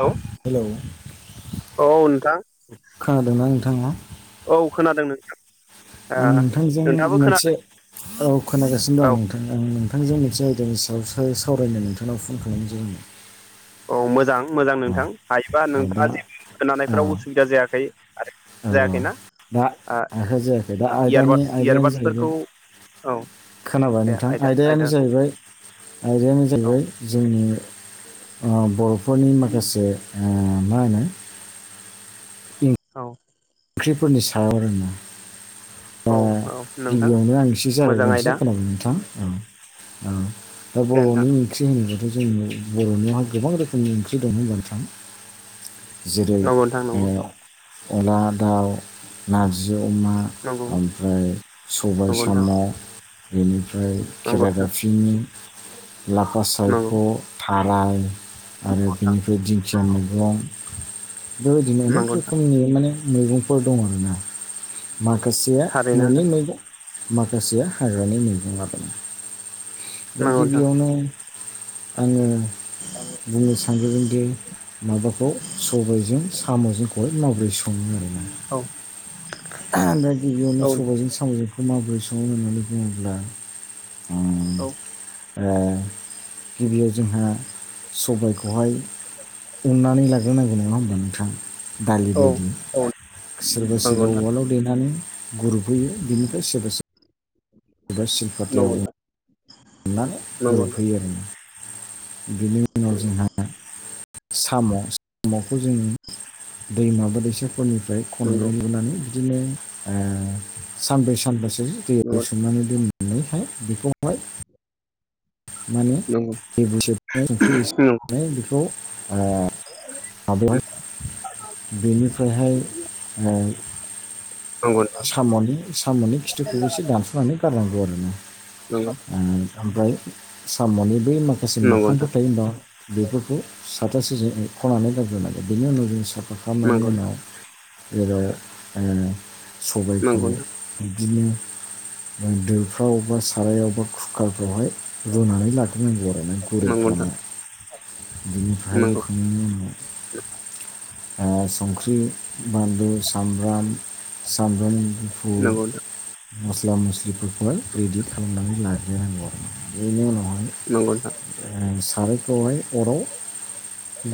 Hello औ नोंथां खोनादोंना नोंथाङा औ खोनादों नों आं नोंथांजों मोनसे औ खोनागासिनो दं औ आं नोंथां आं नोंथांजों मोनसे आयदानि सायाव सावरायनो नोंथांनाव फन खालामजोबमोन औ मोजां मोजां नोंथां हायोबा ओ दा नोंथाङा जेबो ओ खानायफ्राव उसुबिदा जायाखै आरो औ जायाखैना दा आखाइ जायाखै दा आयदानि इयारबाद आयदायानो जाहैबाय इयारबादसफोरखौ औ खोनाबाय दे नोंथां आयदा आयदायानो आयदाखौ जाहैबाय आयदायानो औ जाहैबाय जोंनि बर'फोरनि ओ माखासे ओ मा होनो औ ओंख्रिफोरनि सायाव आरो ना दा औ औ नोंथां गिबियावनो आं एसे मोजां जागायोनसै आयदा खोनाबाय नोंथां औ औ दा दे बर'नि नोंथां ओंख्रि होनोब्लाथाय' जोंनि बर'निआवहाय गोबां रोखोमनि ओंख्रि दं होनबा थां जेरै नंगौ नोंथां अनला दाउ नारजि अमा नंगौ ओमफ्राय सबाय नंगौ साम' बेनिफ्राय नंगौ खेरादाफ बिदिनो लाफा नोंथां नंगौ नोंथां सायख' थाराय आरो नंगौ बिनिफ्राय दिं खुखया मैगं बेबायदिनो अनेक नंगौ नोंथां रोखोमनि माने मैगंफोर दं आरो ना माखासेया थारैनो न'नि नोंथां मैगं माखासेया हाग्रानि मुंदुङा दं दा नंगौ नोंथां गिबियावनो आङो बुंनो सानग्रदोंदि माबाखौ सबायजों साम'जों सामजोंखौ माबब्रै स सङो आरो ना औ ओमफ्राय गिबियावनो औ सबायजों सावजों बेखौ माबोरै सङो होननानै बुङोब्ला ओ औ आ गिबियाव जोंहा सबायखौहाय उननानै लाग्रोनांगौ नङा होमबा नोंथाङा दालि औ बायदि औ सोरबा नंगौ सोरबा नोंथां वाल्डआव देनानै गुरुहैयो बिनिफ्राय सोरबा सोरबा गोबसि औ नोंथां अननानै नंगौ नोंथां गुरुबफैयो आरो ना बिनि उनाव नंगौ जोंहा साम' साम'खौ जों दैमाबा दैसाफोरनिफ्राय नंगौ खननाय लुनानै बिदिनो आ सानब्रै सानबासो नंगौ दैयाव सोमनानै दोनो होनानैहाय बेखौहाय माने नंगौ जेबु सब संख्रि नंगौ ए बेखौ आ माबायावहाय बेनिफ्रायहाय ओ नंगौ साम'नि साम'नि खिथुखौबो एसे दानस'नानै गारनांगौ आरो ना नंगौ ओमफ्राय साम'नि बै माखासे नोंथां मोखांफोर थायो दा बेफोरखौ साथासे जों खनानै गाबग्रोनांगोन बेनि उनाव जों सा नंगौ फाखनायनि नोंथां उनाव जेराव ओ सबायखौ नंगौ बिदिनो दोफ्राव बा सारायाव बा कुकारफ्रावहाय रुनानै लाग्रोनांगौ आरोना गुरि नोंथां खालामनाय बिनिफ्रायाय नंगौ रुखांनायनि उनाव ओ संख्रि बान्लु सामब्राम सामब्राम गुपुर नोंथां मस्ला मस्लिफोरखौहाय रेडि खालामनानै लाग्रोनांगौ आरो बेनि उनावहाय नंगौ नोंथां सारायखौहाय अराव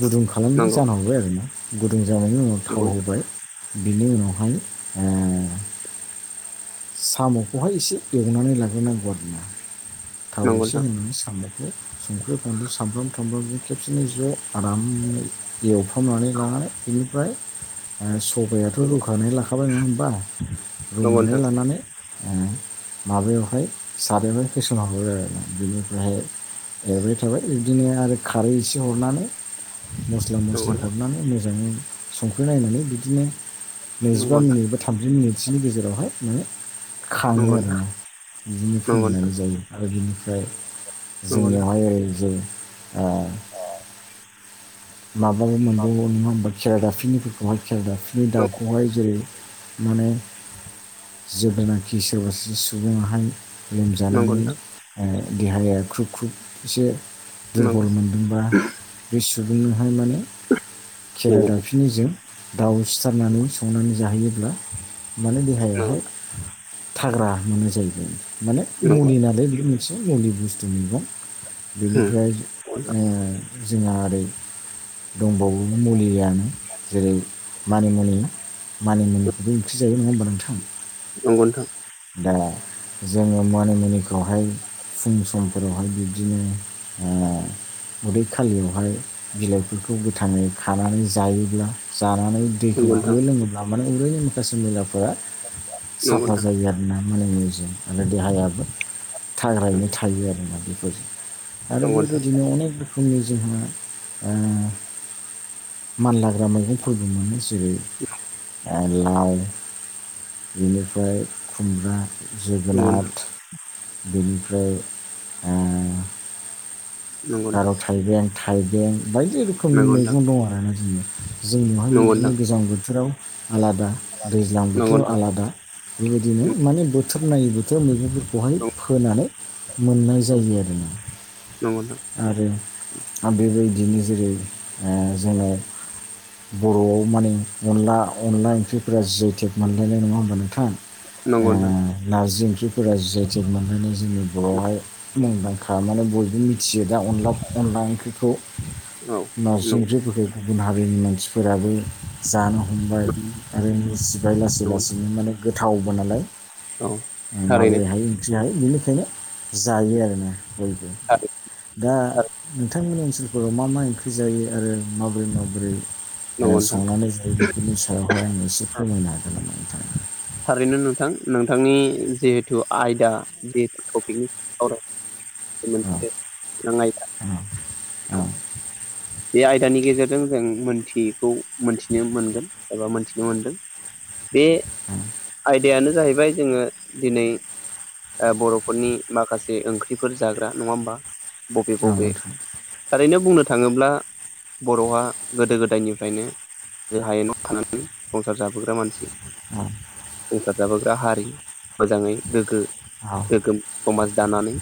गुदुं खालामनानै नंगौ जानहरबाय आरोना गुदुं जानायनि उनाव थाव होबाय बिनि उनावहाय ओ साम'खौहाय एसे एवनानै लाग्रोनांगौ आरोना थाव एसे होननानै सानबाय संख्रि बानलु सामब्राम थामब्रामजों खेबसेनो ज' आरामै एव खननानै लानानै बेनिफ्राय सबायाथ' रुखानानै लाखाबाय नङा होमबा रुनानै नोंथां लानानै ओ माबायावहाय सारायावहाय होसनहरो आरो ना बेनिफ्राय एरबाय थाबाय बिदिनो आरो खारै एसे हरनानै मस्ला मस्लि नंगौ हरनानै मोजाङै संख्रि नायनानै बिदिनो नैजिबा नंगौ मिनिट बा थामजि मिनिटसोनि गेजेरावहाय माने खाङो नंगौ नोंथां नंगौ नोंथां नंगौ नोंथां नंगौ आरोना बिदिनो फोमोननानै नोंथां जायो आरो बिनिफ्राय जोंनियावहाय ओरै जों ओ माबो मोनबावौ नङा होमबा खेरा दाफिनिफोरखौहाय खेरा दाफिनि नंगौ दाउखौहाय जेरै माने जेब्लानाखि सोरबा सुबुङाहाय लोमजानानै ओ देहाया ख्रुब ख्रुब एसे दुरबल मोनदोंबा बे सुबुंनोहाय माने खेरा दाफिजों दाउ सिथारनानै संनानै जाहोयोब्ला माने देहायाहाय थाग्रा मोनो जाहैबाय माने मुलि नालाय बे एसे मुलि बुस्थु मैगं बेनिफ्राय नोंथां ओ जोंहा ओरै दंबावोमोन मुलियानो जेरै मानि मुनि मानि मुनिखौबो ओंख्रि जायो नङा होमबा नोंथां नंगौ नोंथां दा जोङो मानिमुनिखौहाय फुं समफोरावहाय बिबदिनो ओ उदै खालियावहाय बिलाइफोरखौ गोथाङै खानानै जायोब्ला जानानै दैखौ नंगौ गो नोंथां लोङोब्ला माने उदैनि माखासे मैलाफोरा नंगौ साफा जायो आरोना मालाय निउजों आरो देहायाबो थाग्रायैनो थायो आरो ना बेफोर आरो नोंथां बेबायदिनो अनेक रोखोम नि जोंहा ओ मानलाग्रा मैगंफोरबो मोनो जेरै लाव बेनिफ्राय खुमब्रा नंगौ जोगोनाथ बेनिफ्राय नंगौ नंगौ ओ [unintelligible] थाइबें थाइबें बायदि रोखोमनि मैगं दं आरोना जोंनि जोंनिवहाय नंगौ नोंथां नंगौ बेदिनो नोंथां गोजां बोथोराव आलादा दैज्लां नंगौ बोथोराव आलादा दिनो माने बोथोर नायै बोथोर मैगंफोरखौहाय फोनानै मोननाय जायो आरो ना नंगौ नोंथां। आरो बेबायदिनो जेरै ओ जोंनाव बर'आव माने अनला अनला ओंख्रिफोरा जोब थिग मोनलायनाय नङा होमबा नोंथाङा ओ नारजि ओंख्रि फुरा जि आइ टेग मोननानै जोंनि बर'आवहाय मुंदांखा माने बयबो थियो दा अन अनला ओंख्रिखौ औ नारजि नंगौ ओंख्रिफोरखौ गुबुन हारिनि मानसिफोराबो जानो हमबाय आरो मिसिबाय लासै नंगौ नोंथां लासैनो माने गोथावबो नालाय औ थारैनो माबायो हायो ओंख्रि हायो बेनिखायनो जायो आरोना बयबो दा दा थार नोंथांमोननि ओनसोलफोराव मा मा ओंख्रि जायो आरो माबोरै माबोरै नंगौ नोंथां संनानै जायो बेफोरनि सायावहाय आं एसे फोरमायनो हागोन नामा नोंथां थारैनो नोंथां नोंथांनि जिहेथु आयदा जिहेथु टपिकनि औ दे बे मोनसे गोनां आयदा। आ आ बे आयदानि गेजेरजों जों मोनथियैखौ मोनथिनो मोनगोन एबा मोनथिनो मोनदों। बे आयदायानो जाहैबाय जोङो दिनै ओ बर'फोरनि माखासे ओंख्रिफोर जाग्रा नङा होमबा? बबे औ बबे नोंथां थारैनो बुंनो थाङोब्ला बर'आ गोदो गोदायनिफ्रायनो दोहायेनाव थानानै संसार जाबोग्रा मानसि। औ संसार जाबोग्रा हारि मोजाङै गोग्गो गोग्गोम समाज दानानै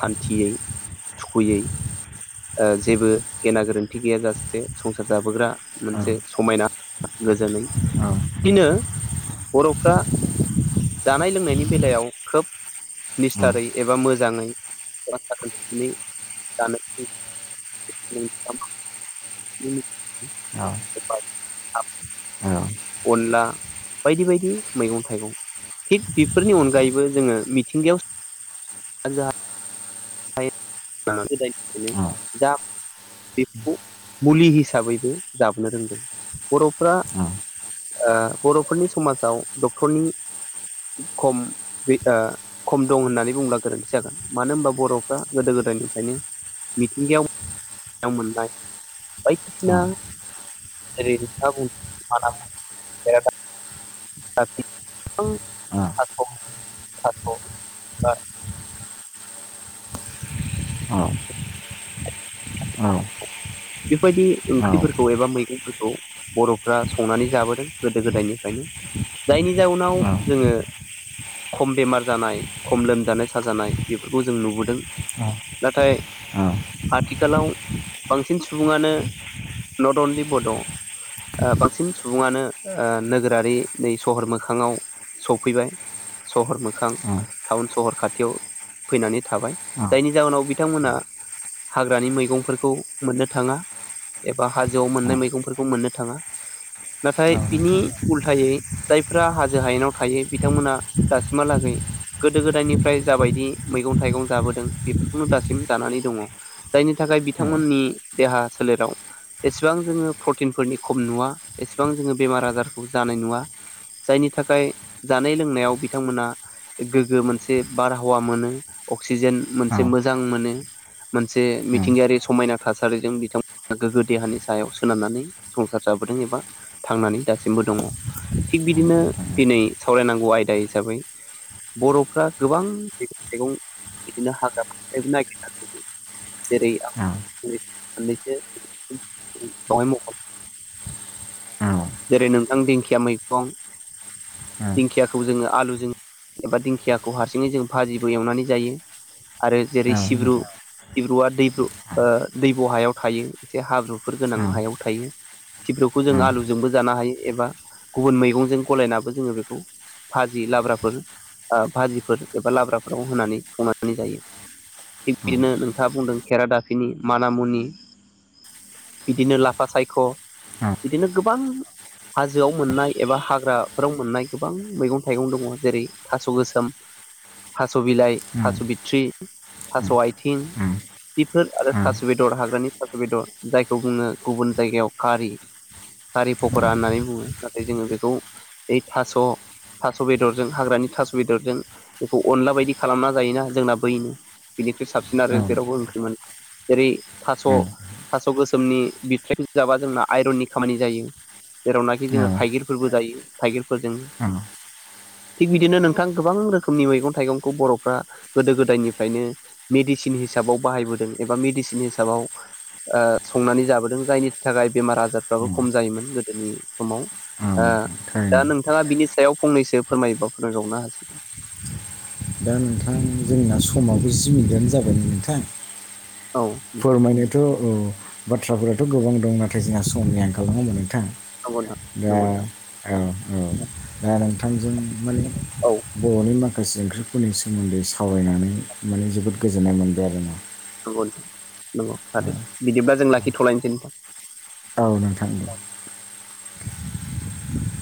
सान्थियै थुखुयै ओ जेबो गेना गोरोन्थि गैय जासे संसार जाबोग्रा मोनसे समायना गोजोनै दिनो बर'फ्रा जानाय लोंनायनि बेलायाव खोब निस्थारै एबा मोजाङै [unintelligible] [unintelligible] [inaudible] औ। अनला बायदि बायदि मैगं थाइगं। थिग बेफोरनि अनगायैबो जोङो मिथिंगायाव [unintelligible] गोदायनिफ्रायनो दा बेखौ मुलि हिसाबैबो दाबनो रोंदों बर'फ्रा ओ बर'फोरनि समाजाव डक्टरनि खम बे ओ खम दं होननानै बुंब्ला गोरोन्थि जागोन मानो होनबा बर'फ्रा गोदो गोदायनिफ्रायनो मिथिंगायाव मोननाय बायदिसिना जेरै नोंथां बुंदों माना मु [inaudible] औ। बेफायदि ओंख्रिफोरखौ एबा मैगंफोरखौ बर'फ्रा संनानै जाबोदों गोदो गोदायनिफ्रायनो जायनि जाउनाव जोङो खम बेमार जानाय खम लोमजानाय साजानाय बेफोरखौ जों नुबोदों। नाथाय आथिखालाव बांसिन सुबुङानो नट अनलि बड' ओ बांसिन सुबुङानो ओ नोगोरारि नै सहर मोखाङाव सफैबाय सहर मोखां टाउन सहर खाथियाव। फैनानै थाबाय जायनि जाहोनाव बिथांमोना। हाग्रानि मैगंफोरखौ मोननो थाङा एबा हाजोआव मोननाय मैगंफोरखौ मोननो थाङा। नाथाय बिनि उल्थायै जायफ्रा हाजो हायेनाव थायो बिथांमोना। दासिम हालागै। गोदो गोदायनिफ्राय जाबायदि मैगं थाइगं जाबोदों बेफोरखौनो दासिम जानानै दङ। जायनि थाखाय बिथांमोननि देहा सोलेराव एसेबां जोङो प्रटिनफोरनि खम नुवा एसेबां जोङो बेमार आजारखौ जानाय नुवा। जायनि थाखाय जानाय लोंनायाव बिथांमोना गोगो मोनसे बारहावा मोनो अक्सिजेन मोनसे मोजां मोनो से मिथिंगायारि समायना थासारिजों बिथांमोना गोग्गो देहानि सायाव सोनारनानै संसार जाबोदों एबा थांनानै दासिमबो दङ'। थिग बिदिनो दिनै सावरायनांगौ आयदा हिसाबै बर'फ्रा गोबां मैगं थायगं बिदिनो हाग्रा [unintelligible] नागिरना [unintelligible] जेरै [inaudible] जेरै नोंथां दिंखिया मैगं दिंखियाखौ जोङो आलुजों एबा दिंखियाखौ हारसिङै जों भाजिबो एवनानै जायो आरो जेरै सिब्रु सिब्रुआ दैब्रु ओ दैब' हायाव थायो एसे हाब्रुफोर गोनां हायाव थायो। थिब्रुखौ जोङो आलुजोंबो जानो हायो एबा गुबुन मैगंजों गलायनाबो जोङो बेखौ भाजि लाब्राफोर भाजिफोर एबा लाब्राफोराव होनानै संनानै जायो। थिग बिदिनो नोंथाङा बुंदों खेरादाफिनि माना मुनि। बिदिनो लाफा सायख' बिदिनो गोबां हाजोआव मोननाय एबा हाग्राफोराव मोननाय गोबां मैगं थाइगं दङ जेरै थास' गोसोम। थास' बिलाइ थास' बिथ्रि थास' आथिं। बिफोर आरो थास' बेदर हाग्रानि थास' बेदर जायखौ बुङनो गुबुन जायगायाव खारि। गारि फकरा होननानै बुङो नाथाय जोङो बेखौ ओइ थास'। थास' बेदरजों हाग्रानि थास' बेदरजों बेखौ अनला बायदि खालामना जायोना जोंना बै साबसिन आरो जेरावबो ओंख्रिमोन जेरै थास थास' गोसोमनि [unintelligible] जाबा जोंना आइरननि खामानि जायो जेरावनाखि जोङो थाइगिर। फोरबो जायो थाइगिरफोरजों थिग बिदिनो नोंथां गोबां रोखोमनि मैगं थाइगंखौ बर'फ्रा गोदो गोदायनिफ्रायनो मेडिसिन हिसाबाव बाहायबोदों एबा मेडिसिन हिसाबाव ओ संनानै जाबोदों जायनि थाखाय बेमार आजारफ्राबो खम जायोमोन गोदोनि समाव। ओ औ। दा नोंथाङा बिनि सायाव फंनैसो फोरमायोबा फोरमायबावनो हासिगोन। दा नोंथां जोंना समाबो जि मिनिटानो जाबाय नोंथां। औ नोंथां फोरमायनोथ' औ बाथ्राफोराथ' गोबां दं नाथाय जोंहा समनि आंखाल नङा होमबा नोंथां। नंगौ दा नोंथां औ औ नंगौ दा नोंथांजों माने नोंथां औ बर'नि माखासे ओंख्रि फोरनि सोमोन्दै सावरायनानै माने जोबोद गोजोननाय मोनबाय आरो ना। नंगौ [unintelligible] बिदिब्ला जों लाखिथ'लायनोसै। औ नोंथां।